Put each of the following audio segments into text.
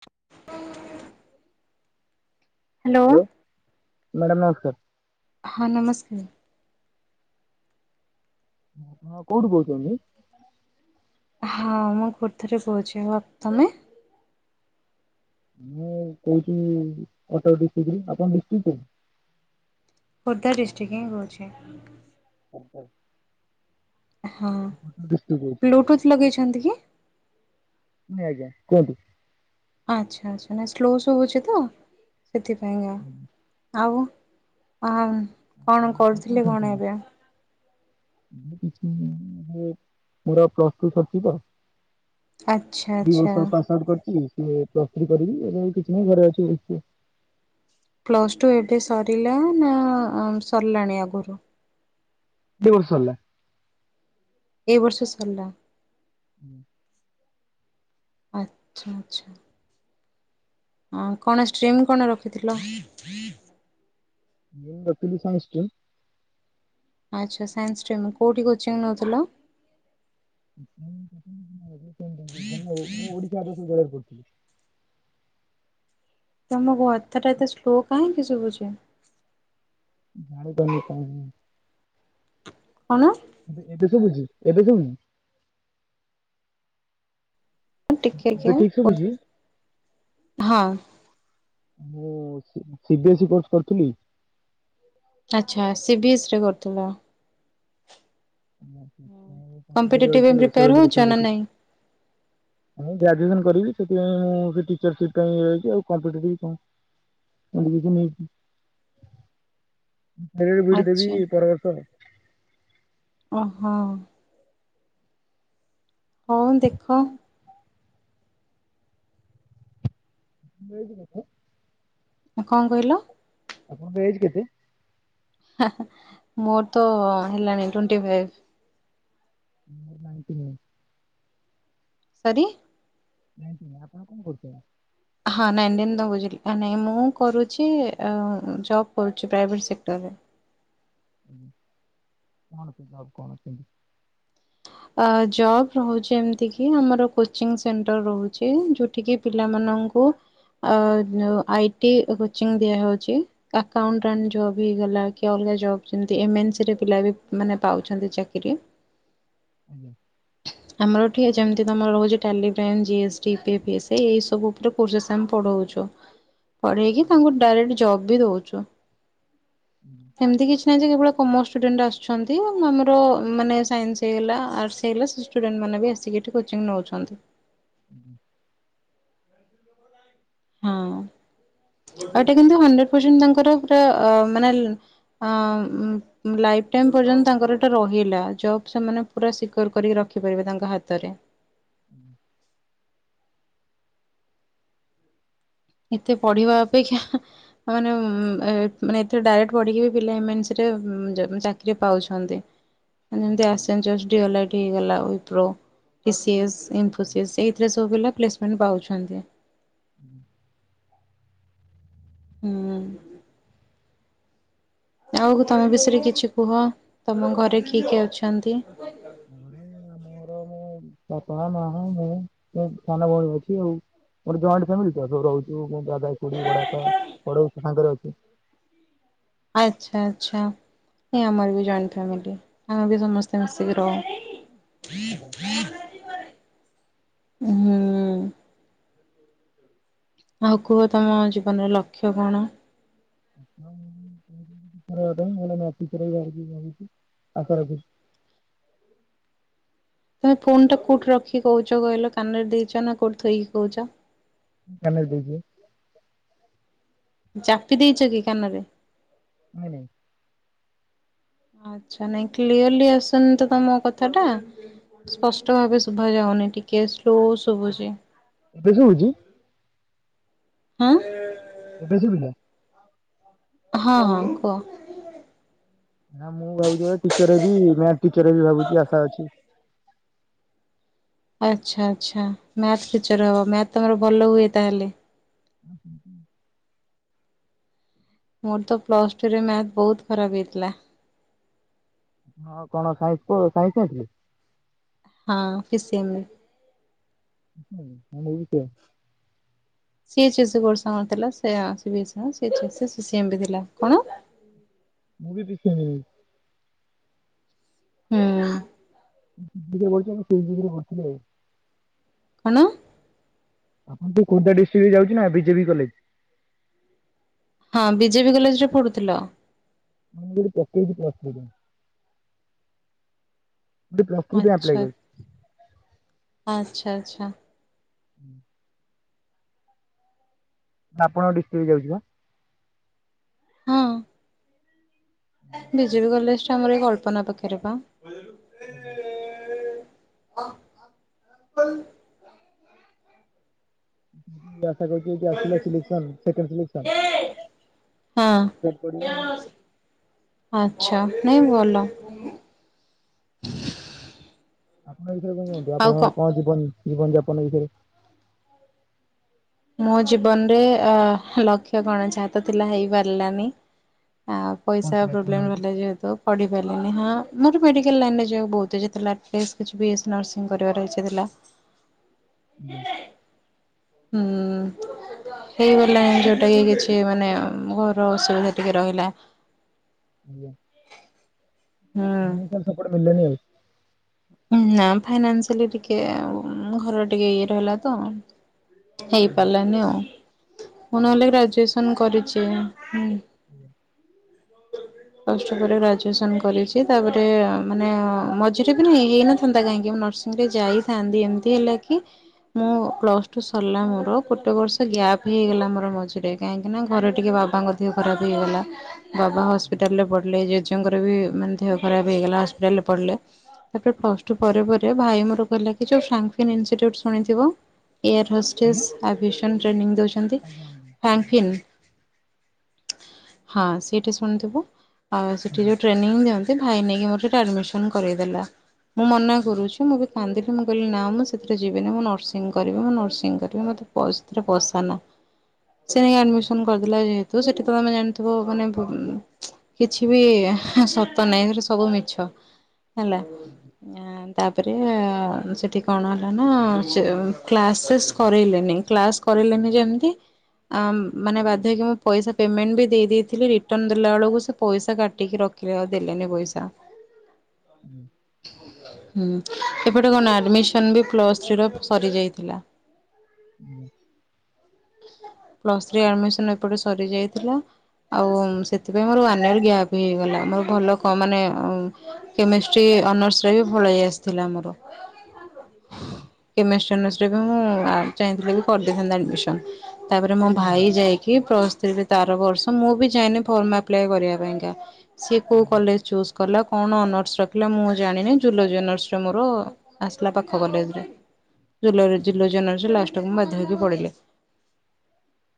[inaudible] Hello madam ନମସ୍କାର। ହଁ ନମସ୍କାର। ହଁ କୋଉଠୁ କହୁଛନ୍ତି? ହଁ ମୁଁ ପୁଥିରୁ ତମେ ମୁଁ କହୁଛି କଟକ ଡିଷ୍ଟ୍ରିରୁ ଆପଣ ଡିଷ୍ଟ୍ରି କୋଉଠି? ଖୋର୍ଦ୍ଧା ଡିଷ୍ଟ୍ରିକି ହିଁ କହୁଚି। [unintelligible] ହଁ କଟକ ଡିଷ୍ଟ୍ରିକ୍ଟ କହୁଛି ବ୍ଲୁଟୁଥ୍ ଲଗେଇଛନ୍ତି କି? ନାଇଁ ଆଜ୍ଞା କୁହନ୍ତୁ। ଆଚ୍ଛା ଆଚ୍ଛା ନା ସ୍ଲୋ ଶୁଭୁଚି ତ ସେଥିପାଇଁକା। ଆଉ ଆଉ କଣ ଆପଣ କରୁଥିଲେ କଣ ଖାଇଛନ୍ତି? ଏବେ? କିଛି ପର ପ୍ଲସ ଟୁ ସରିଛି ତ [unintelligible] ଆଚ୍ଛା ଦୁଇ ଆଚ୍ଛା ବର୍ଷ ପାସ ଆଉଟ୍ କରିଚି, [unintelligible] ପ୍ଲସ୍ ଥ୍ରି କରିବି। ଏବେ କିଛି ନାହିଁ ଘରେ ଅଛି ଏମିତି ପ୍ଲସ୍ ଟୁ ଏବେ ସରିଲା ନା ଆଁ ସରିଲାଣି ଆଗରୁ? ଦୁଇ ବର୍ଷ ହେଲା। ଏ ବର୍ଷ ସରିଲା। [unintelligible] ଆଚ୍ଛା ଆଚ୍ଛା। ହଁ କଣ ଷ୍ଟ୍ରିମ୍ କଣ ରଖିଥିଲ? [unintelligible] ଆଚ୍ଛା ସାଇନ୍ସ ଷ୍ଟ୍ରିମ୍, କୋଉଠି କୋଚିଙ୍ଗ ନେଉଥିଲ? [unintelligible] ମୁଁ ଓଡ଼ିଶା ରୋଜଗାର କରିଥିଲି। ତମ କଥାଟା ଏତେ ସ୍ଲୋ କାହିଁକି ଶୁଭୁଚି? ଜାଣିପାରୁନାହିଁ କଣ ହେଇଚି। କଣ? ଏବେଏବେ ଶୁବୁଚି ଏବେ ଶୁବୁଚି। ଟିକେ ଏବେ ଗ୍ୟୟ ଠିକ ଓ ଶୁଭୁଛି? ହଁ। ମୁଁ C B S B course କରିଥିଲି। ଆଚ୍ଛା ସି ବି ଏସ୍ ରେ କରୁଥିଲ। ମୋରପ୍ରସେଟେ କମ୍ପିଟେଟିଭ ପାଇଁ ରହିଚି ପ୍ରିପେୟାର ସେଭେଟି ହଉଛ ନା ପ୍ରସେଟେରଖିଛି। ନାଇଁ ମୁଁ ଗ୍ରାଜୁଏସନ କରିକି ସେଥିପାଇଁ ମୁଁ ସେ ଟିଚରସିପ୍ ପାଇଁ ଇଏ ହେଉଛିଆଉ କମ୍ପେଟିଭ କଣ ମୋ ନିଜକୁନେଇକି ହାୟାର ବିଡି ଦେବି ଆଚ୍ଛା ପର ବର୍ଷରେ। ଓ ହଁ। ହଁ ଦେଖ। ନେଇକି ତତେ। କଣ କହିଲ? ଆପଣଙ୍କ ଏଜ୍ କେତେ। ମୋର ତ ହେଲାଣି ଟେଣ୍ଟି ଫାଇପି ମୋର ନାଇନ୍ ଟି ନାଇନ୍‌। ସରି। ନାଇଁ ଟିନି, ଆପଣ କଣ କରୁଚନ୍ତି? ହଁ ନାଇଟିନ୍ ତ ବୁଝିଲି, ନାଇଁ ମୁଁ କରୁଛି ଜବ କରୁଛି ପ୍ରାଇଭେଟ ସେକ୍ଟରରେ। କଣ ପିଧକଣ ପିଧି? ଅ ଜବ ରହୁଛି ଏମିତି କି ଆମର କୋଚିଙ୍ଗି ସେଣ୍ଟର ରହୁଚି ଯୋ ଟିକିକି ପିଲାମାନଙ୍କୁ ଅଆଇ ଟି କୋଚିଙ୍ଗି ଦିଆହଉଛି। ଆକାଉଣ୍ଟାଣ୍ଟ ଜବ୍ ହେଇଗଲା କି ଅଲଗା ଜବ୍ ଯେମିତି, ଏମ ଏନ୍ ସି ରେ ପିଲା ବି ମାନେ ପାଉଛନ୍ତି ଚାକିରି। ଆଜ୍ଞା। ଆମର ଏଠି ଯେମିତି ତୁମର ରହୁଛି Tally Prime, G S T, P P S, ଏ ଏଇସବୁ ଉପରେ କୋର୍ସେସ୍ ଆମେ ପଢ଼ଉଛୁ। [unintelligible] ପଢେଇକି ତାଙ୍କୁ ଡାଇରେକ୍ଟ ଜବ୍ ବି ଦଉଚୁ। ହୁଁ। ଏମିତି କିଛି ନାହିଁ ଯେ କେବଳ କମର୍ସ ଷ୍ଟୁଡେଣ୍ଟ ଆସୁଛନ୍ତି, ଆମର ମାନେ ସାଇନ୍ସ ହେଇଗଲା ଆର୍ଟସ୍ [unintelligible] ଷ୍ଟୁଡେଣ୍ଟ ମାନେ ବି ଆସିକିି ଏଠି କୋଚିଂ ନଉଛନ୍ତି। ହୁଁ। [unintelligible] ହଁ ଏଇଟା କିନ୍ତୁ ହଣ୍ଡ୍ରେଡ୍ ପରସେଣ୍ଟ ତାଙ୍କର ପୁରା ମାନେ ହଁ- ହଁ। ଲାଇଫ୍ ଟାଇମ୍ ପର୍ଯ୍ୟନ୍ତ ତାଙ୍କର ଏଇଟା ରହିଲା ଜବ୍, ସେମାନେ ପୁରା ସିକିଓର କରିକି ରଖିପାରିବେ ତାଙ୍କ ହାତରେ। ହୁଁ। ଏତେ ପଢିବା ଅପେକ୍ଷା ମାନେ ମାନେ ଏଥିରେ ଡାଇରେକ୍ଟ ପଢ଼ିକି ବି ପିଲା ଏମ୍ ଏନ୍ ସି ରେ ଚାକିରି ପାଉଛନ୍ତି। [unintelligible] ଯେମିତି ଏସ ଏନ୍ ଜି ଆଲର୍ଟ ହେଇଗଲା, ଉଇ ପ୍ରୋ [unintelligible] ଇନ୍ଫୁସିଏନ୍ସ [unintelligible] ପୁଅ ପିଲା ପ୍ଲେସମେଣ୍ଟ ପାଉଛନ୍ତି। ହୁଁ। ହୁଁ। ଆଉ ତମେ ବିଷୟରେ କିଛି କୁହ, ତମ ଘରେ କିଏ କିଏ ଅଛନ୍ତି? [unintelligible] ମୋର-ଅ-ଅ-ଅ ବାପା, ମା, ମୁଁ, ସାନ ବି ଅଛି ଆଉ। ଗୋଟେ ଜଏଣ୍ଟ ଫ୍ୟାମିଲି ତ ସବୁ ରହୁଛୁ ଦାଦା, ଖୁଡୀ, ବଡା ବାପା, ବଡ଼ ବୋଉ ସାଙ୍ଗରେ ଅଛୁ। ଆଚ୍ଛା ଆଚ୍ଛା। ଏ ଆମର ବି ଜଏଣ୍ଟ ଫ୍ୟାମିଲି। ଆମେ ବି ସମସ୍ତେ ମିଶିକି ରହୁ। [unintelligible] ହୁଁ। ଆଉ କୁହ ତମ ଜୀବନର ଲକ୍ଷ୍ୟ କଣ? [unintelligible] ଆଶା ରଖିଛି। ତମେ ଫୋନ୍ ଟା କୋଉଠି ରଖି କହୁଛ କହିଲ କାନରେ ଦେଇଛ ନା କୋଉଠି ଥୋଇକି କହୁଛ? କାନ ରେ ଦେଇଛି ବା। ଚାପି ଦେଇଛ କି କାନ ରେ? ନାଇ ନାଇଁ। ଆଚ୍ଛା ନାଇଁ କ୍ଲିୟରଲି ଆସୁନି ତ ତମ କଥା ଟା। ସ୍ପଷ୍ଟ ଭାବେ ଶୁଭା ଯାଉନି ଟିକେ ସ୍ଲୋ ଶୁଭୁଛି। ଏବେ ଶୁଭୁଛି? ହଁ [unintelligible] ଏବେ ଶୁଭିଲା? ହଁ ହଁ କୁହ। ନା ମୁଁ ଭାବୁଛି ଗୋଟେ ଟିଚର୍ ହେବି ମ୍ୟାଥ୍ ଟିଚର ହେବି ଭାବୁଛି ଆଶା ଅଛି। ଆଚ୍ଛା ଆଚ୍ଛା ମ୍ୟାଥ୍ ଟିଚର ହବ। ମ୍ୟାଥ୍ ତମର ଭଲ ହୁଏ ତାହେଲେ? ହୁଁ ହୁଁ। ମୋର ତ ପ୍ଲସଟୁରେ ମ୍ୟାଥ୍ ବହୁତ ଖରାପ ହେଇଥିଲା। ହଁ କଣ ସାଇନ୍ସ୍ କୁ ସାଇନ୍ସ୍ ନେଇଥିଲେ? ହଁ ଫିକ୍ସି ଏମେ। ହୁଁ ମୁଁ ବି ସେୟା। ସିଏ [unintelligible] କଣ ମୁଁ ବି ପି ସି ଏମ ୟୁ। ହୁଁ, [unintelligible] କଣ? ଆପଣ ତ ଖୋର୍ଦ୍ଧା ଡିଷ୍ଟ୍ରିକ୍ଟରେ ଯାଉଛି ନା ବିଜେପି କଲେଜ। ହଁ ବିଜେପି କଲେଜରେ ପଢୁଥିଲ। ମୁ ସେଇଥଠି ପକେଇଛି ପ୍ଲସ୍ ଥ୍ରୀ। ମୁଁ ପ୍ଲସ୍ ଥ୍ରୀ ପାଇଁ ଆପ୍ଲାଏ ଆଚ୍ଛା, କରିଛି ଆଚ୍ଛା ଆଚ୍ଛା। [inaudible] ନା ଆପଣଙ୍କ ଡିଷ୍ଟ୍ରିକ୍ଟ ଯାଉଛି ବା। ହଁ। ବିଜେପି କଲେଜଟା ଆମର ଏଇ କଳ୍ପନା ପାଖରେ ପା। [unintelligible] [inaudible] ଏବେ ଯେମତି ଆସିଲା ସିଲେକ୍ସନ ସେକେଣ୍ଡ ସିଲେକ୍ସନ୍, ହଁ। ସେଟ ପଢିବି। ଆଚ୍ଛା ନାଇ ଭଲ। ଆପଣ [inaudible] ଆପଣ କଣ ଜୀବନ ଜୀବନ ଯାପନ ବିଷୟରେ? ମୋ ଜୀବନରେ ଅ ଲକ୍ଷ୍ୟ କଣ ଯାହା ତ ଥିଲା ହେଇପାରିଲାନି ଆ କଣ ପଇସା ଥିଲା ପ୍ରୋବ୍ଲେମ୍ କହୁନାହାନ୍ତି? ହେଲା ଯେହେତୁ। ପଢି ପାରିଲିନି ହଁ ମୋର ମେଡିକାଲ ଲାଇନରେ ଯିବାକୁ ବହୁତ ଇଛାଥିଲା, test B A C nursing କରିବାକୁ ଇଚ୍ଛା ଥିଲା। ଆଜ୍ଞା। ହୁଁ। ହେଇଗଲାଣି ଯୋଉଟା କି କିଛି ମାନେ ଅ-ଅ ଘର ଅସୁବିଧା ଟିକେ ରହିଲା। ଆଜ୍ଞା। ହୁଁ ଫାଇନାସିଆଲ ସପୋର୍ଟ ମିିଳିଲାନି ଆଉ ନା ଫାଇନାସିଆଲି ଟିକେ ଘର ର ଟିକେ ଇଏ ରହିଲା ତ। ଆଜ୍ଞା ହେଇପାରିଲାନି ଆଉ ମୁଁ ନହେଲେ ଗ୍ରାଜୁଏସନ କରିଛି। ହୁଁ। ପ୍ଲସ ଟୁ ପରେ ଗ୍ରାଜୁଏସନ କରିଛି ତାପରେ ମାନେ ମଝିରେ ମାନେ ହେଇନଥାନ୍ତା କାହିଁକି ମୁଁ ନର୍ସିଂରେ ଯାଇଥାନ୍ତି, ଏମିତି ହେଲା କି। ମୁଁ ପ୍ଲସ ଟୁ ସରିଲା ମୋର ଗୋଟେ ବର୍ଷ ଗ୍ୟାପ୍ ହେଇଗଲା ମୋର ମଝିରେ। କାହିଁକିନା ଘରେ ଟିକେ ବାବାଙ୍କ ଦେହ ଖରାପ ହେଇଗଲା। ବାବା ହସ୍ପିଟାଲରେ ପଡ଼ିଲେ ଜେଜଙ୍କର ବି ମାନେ ଦେହ ଖରାପ ହେଇଗଲା ହସ୍ପିଟାଲରେ ପଡ଼ିଲେ। ତାପରେ ପ୍ଲସଟୁ ପରେ ଭାଇ ମୋ କହିଲା କି ଯୋଉ ଫ୍ରଙ୍କଫିନ୍ ଇନଷ୍ଟିଚ୍ୟୁଟ ଶୁଣିଥିବ। ଏୟାର ହଷ୍ଟେସ୍ ଆଜ୍ଞା ଆଭିସନ୍ ଟ୍ରେନିଂ ଦଉଛନ୍ତି ଆଜ୍ଞା ଆଜ୍ଞା ଆଜ୍ଞା ଫ୍ୟାଙ୍କଫିନ୍। ହଁ ସେଇଠି ଶୁଣିଥିବ ଆଉ ସେଠି ଆଜ୍ଞା ଆଜ୍ଞା ଯୋଉ ଟ୍ରେନିଂ ଦିଅନ୍ତି। ଭାଇ ନେଇକି ମୋର ସେଠି ଆଡମିଶନ କରେଇଦେଲା, ମୁଁ ମନା କରୁଛି ମୁଁ ବି କାନ୍ଦିଲି ମୁଁ କହିଲି ନା ମୁଁ ସେଥିରେ ଯିବିନି, ମୁଁ ନର୍ସିଂ କରିବି ମୁଁ ନର୍ସିଂ କରିବି ମୋତେ ପ ସେଥିରେ ପସାନା। ସେ ନେଇକି ଆଡମିସନ କରିଦେଲା, ଯେହେତୁ ସେଠି ତ ତମେ ଜାଣିଥିବ ମାନେ କିଛି ବି ହାଁ ସତ ନାଇଁ ସେଗୁଡା ସବୁ ମିଛ ହେଲା। ଆ ତାପରେ ସେଠି କଣ ହେଲା ନା, ସେ କ୍ଲାସେସ୍ କରେଇଲେନି କ୍ଲାସ୍। କରିଲେନି ଯେମିତି। ଆମ ମାନେ ବାଧ୍ୟହେଇକି ମୁଁ ପଇସା ପେମେଣ୍ଟ ବି ଦେଇଦେଇଥିଲି, ରିଟର୍ନ ଦେଲା ବେଳକୁ ସେ ପଇସା କାଟିକି ରଖି ରଖିଲେ ଆଉ ଦେଲେନି ପଇସା। ହୁଁ। ହୁଁ ଏପଟେ କଣ ଆଡମିସନ ବି ପ୍ଲସ ଥ୍ରୀ ର ସରିଯାଇଥିଲା। ହୁଁ। ପ୍ଲସ ଥ୍ରୀ ଆଡମିଶନ୍ ଏପଟେ ସରିଯାଇଥିଲା, ଆଉ ସେଥିପାଇଁ ମୋର ୱାନ ୟର ଗ୍ୟାପ ହେଇଗଲା ମୋର ଭଲ କ ମାନେ କେମିଷ୍ଟ୍ରି ଅନର୍ସରେ ବି ପଳେଇ ଆସିଥିଲା ମୋର। [inaudible] କେମିଷ୍ଟ୍ରୀ ଅନର୍ଶ ରେ ମୁଁ ଆ ଚାହିଁଥିଲେ ବି କରିଦେଇଥାନ୍ତା ଆଡମିସନ୍। ତାପରେ ମୋ କୋଉ ଭାଇ କଲେଜ ରେ? ଯାଇ କି ପ୍ଲସ ଥ୍ରିରେ ତା ଆର ବର୍ଷ ମୁଁ ବି ଯାଇନି ଫର୍ମ ଆପ୍ଲାଏ କରିବା ପାଇଁକା। ସିଏ କୋଉ ଆଜ୍ଞା କଲେଜ ଚୁଜ କଲା, କଣ ଅନର୍ସ ରଖିଲା ମୁଁ ଜାଣିନି ଜୁଲୋଜି ଅନର୍ସରେ ମୋର। ଆସିଲା ପାଖ କଲେଜରେ। ଯୁଲୋଜି ଯୁଲୋଜି ଅନର୍ସ ଲାଷ୍ଟ ମୁଁ ବାଧ୍ୟ ହେଇକି ପଢିଲି।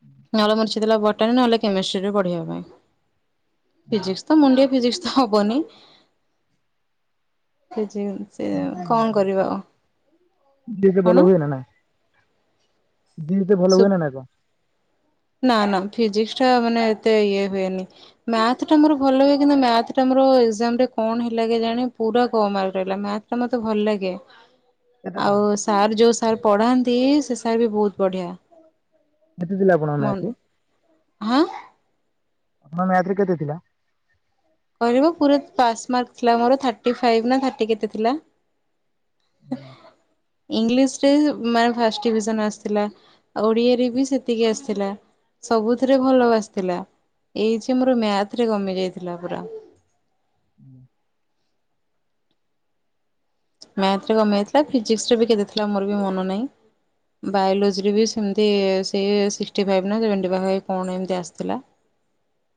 ହୁଁ। ନହେଲେ ମୋର ଇଚ୍ଛାଥିଲା ବଟାନୀ ନହେଲେ କେମିଷ୍ଟ୍ରିରେ ପଢିବା ପାଇଁ। ଆଜ୍ଞା ମୋ ଦେଇ ଫିଜିକ୍ସ ତ ହବନି ଫିଜି ସେ ଏମିତି କାଇଁ କଣ ଭାବୁଛନ୍ତି? କରିବା ଆଉ ଯେତେ କଣ? ଫିଜିକ୍ସ ରେ ଭଲ ସୁ ହୁଏ ନାଁ ନା କଁ। ନା ନା ଫିଜିକ୍ସ ଟା ମାନେ ଏତେ ଇଏ ହୁଏନି। ମ୍ୟାଥ ଟା ମୋର ଭଲ ହୁଏ। କିନ୍ତୁ ମ୍ୟାଥ ଟା ମୋର ଏକ୍ଜାମ ରେ କଣ ହେଲା କେଜାଣି ପୁରା କମ୍ ମାର୍କ ରହିଲା ମ୍ୟା ତ ଟା ମତେ ଭଲ ଲାଗେ। [inaudible] ଆଉ ଥିଲା ସାର୍ ଯୋଉ ସାର୍ ପଢାନ୍ତି ସେ ସାର୍ ବି ବହୁତ ବଢିଆ। କେତେ ଥିଲେ ଆପଣଙ୍କ ମ୍ୟାଥ୍ ରେ। ହାଁ। ଆପଣଙ୍କ ମ୍ୟାଥ ରେ କେତେଥିଲା। କହିଲି ବା ପୁରା ପାସ୍ ମାର୍କ ଥିଲା ମୋର ଥାର୍ଟି ଫାଇପ ନା ଥାର୍ଟି କେତେ ଥିଲା। ହୁଁ। ଇଂଲିଶ ରେ ମାନେ ଫାଷ୍ଟ ଡିଭିଜନ ଆସିଥିଲା। ଆଉ ଓଡିଆରେ ବି ସେତିକି ଆସିଥିଲା। ସବୁଥିରେ ଭଲ ଆସିଥିଲା। ଏଇ ଯେ ମୋର ମ୍ୟାଥରେ କମି ଯାଇଥିଲା ପୁରା। [inaudible] ମ୍ୟାଥରେ କମିଯାଇଥିଲା, ଫିଜିକ୍ସ ରେ ବି କେତେ ଥିଲା ମୋର ବି ମନ ନାହିଁ। ବାୟୋଲୋଜିରେ ବି ସେମିତି ସେ ସିକ୍ସଟି ଫାଇଭ୍ ନା ସେଭେଣ୍ଟି ଫାଇଭ୍ ପାଖା ପାଖି କଣ ଏମିତି ଆସିଥିଲା। [inaudible]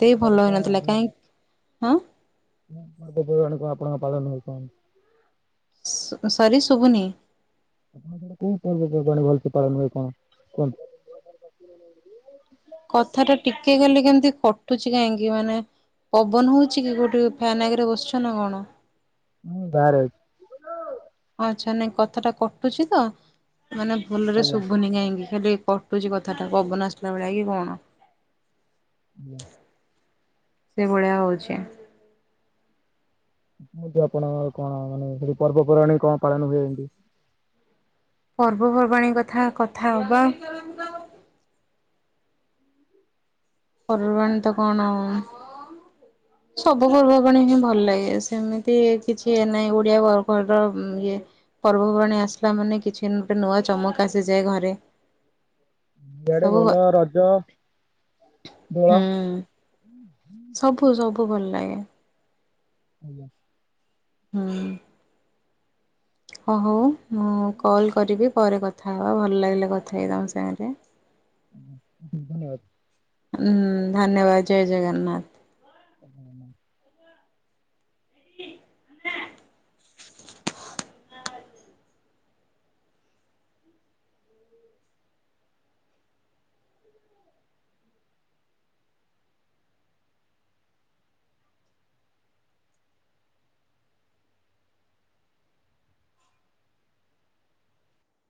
ସେ ତାର ଭଲ କଣ ହେଇନଥିଲା ମାନେ କାହିଁକି ହଁ। ଆପଣଙ୍କ ପାଦ [unintelligible] ସରି ଶୁଭୁନି। ଆପଣଙ୍କର କୋଉ ପର୍ବପର୍ବାଣି ଭଲସେ ପାଳନ ହୁଏ, କଣ କୁହନ୍ତୁ। କଥା ଟା ଟିକେ କଲେ କେମତି କଟୁଛି କାହିଁକି ମାନେ ପବନ ହଉଛି କି କୋଉଠି ଫ୍ୟନ୍ ଆଗରେ ବସିଛ ନା କଣ? ମୁଁ ବାହାରେ ଅଛି। ଆଚ୍ଛା ନାଇଁ କଥାଟା କଟୁଛି ତ, ମାନେ ଭଲରେ ଆଜ୍ଞା। ଶୁଭୁନି କାହିଁକି ଖାଲି କଟୁଛି କଥାଟା ପବନ ଆସିଲା ଭଳିଆ କି କଣ? [inaudible] ସେଇଭଳିଆ ହଉଛି। ଆପଣଙ୍କ କଣ ମାନେ ସେଠି ପର୍ବପର୍ବାଣି କଣ ପାଳନ ହୁଏ ପର୍ବପର୍ବାଣି କଥା କଥା ହବା। ପର୍ବ ପର୍ବାଣୀ ତ କଣ [inaudible] ସବୁ ପର୍ବବାଣି ହିଁ ଭଲ ଲାଗେ। ସେମିତି କିଛି ନାହିଁ ଓଡିଆ ପର୍ବ ଇଏ ପର୍ବପର୍ବାଣି ଆସିଲା ମାନେ କିଛି ଗୋଟେ ନୂଆ ଚମକ ଆସିଯାଏ ଘରେ। ଇଆଡ଼େ ସବୁ ହୁଁ ଭଲ ରଜ। ଦୋଳ ହୁଁ ସବୁ ସବୁ ଭଲ ଲାଗେ। ଆଜ୍ଞା। ହୁଁ। ହ ହଉ ମୁଁ କଲ୍ କରିବି ପରେ କଥା ହେବା। ଭଲ ଲାଗିଲା କଥା ହେଇ ତମ ସାଙ୍ଗରେ। ଧନ୍ୟବାଦ। ହୁଁ ଧନ୍ୟବାଦ ଜୟ ଜଗନ୍ନାଥ। [inaudible] [unintelligible]